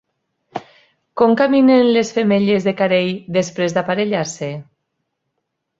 Com caminen les femelles de carei després d'aparellar-se?